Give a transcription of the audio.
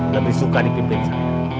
lebih suka dikimpin saya